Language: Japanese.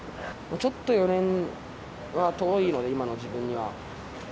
ちょっと４年は遠いので、今の自分には。